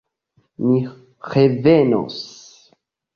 Ni revenos!